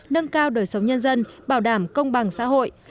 nâng cao đời sống nhân dân bảo đảm công bằng xã hội